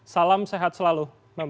salam sehat selalu